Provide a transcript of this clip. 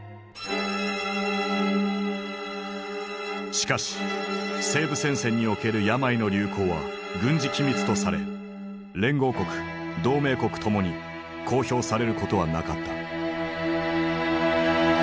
しかし西部戦線における病の流行は軍事機密とされ連合国同盟国ともに公表されることはなかった。